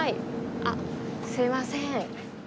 あっすいません。